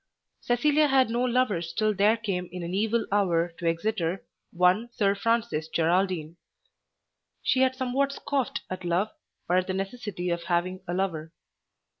Cecilia had no lovers till there came in an evil hour to Exeter one Sir Francis Geraldine. She had somewhat scoffed at love, or at the necessity of having a lover.